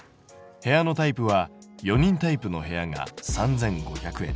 部屋のタイプは４人タイプの部屋が３５００円。